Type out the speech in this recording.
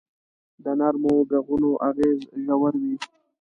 د نرمو ږغونو اغېز ژور وي.